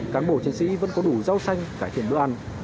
cán bộ chiến sĩ vẫn có đủ rau xanh cải thiện bữa ăn